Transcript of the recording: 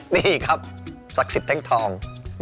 นี่ครับศักดิ์สิทธิแท่งทอง